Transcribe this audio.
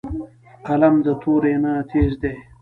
قلم د تورې نه تېز دی